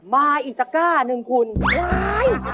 มาอีตากก้านึงคุณร้าย